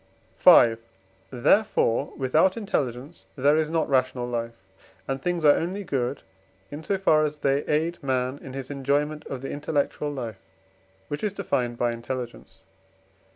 V. Therefore, without intelligence there is not rational life: and things are only good, in so far as they aid man in his enjoyment of the intellectual life, which is defined by intelligence.